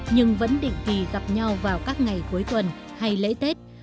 nhưng vẫn định kỳ gặp nhau vào các ngày cuối tuần hay lễ tết